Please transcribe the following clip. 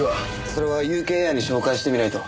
それはＵＫエアに照会してみないと。